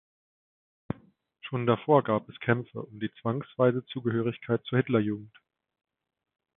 Schon davor gab es Kämpfe um die zwangsweise Zugehörigkeit zur Hitlerjugend.